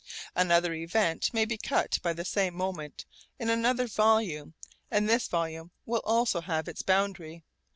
Another event may be cut by the same moment in another volume and this volume will also have its boundary.